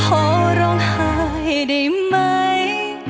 พอร้องหายได้ไหม